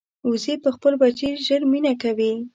وزې پر خپل بچي ژر مینه کوي